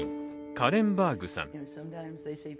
カレン・バーグさん。